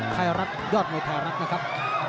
สำหรับไทยรัฐยอดในไทยรัฐนะครับ